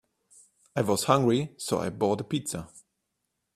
I was hungry, so I bought a pizza.